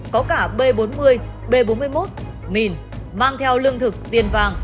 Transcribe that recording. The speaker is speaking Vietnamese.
có cả b bốn mươi b bốn mươi một mìn mang theo lương thực tiền vàng